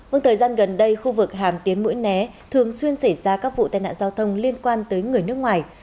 vâng thời gian gần đây khu vực hàm tiến mũi né thường xuyên xảy ra các vụ tai nạn giao thông liên quan tới người nước ngoài